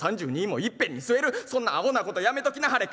３２もいっぺんに据えるそんなあほなことやめときなはれ。